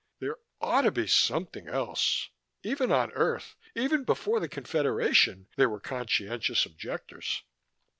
"There ought to be something else. Even on Earth, even before the Confederation, there were conscientious objectors."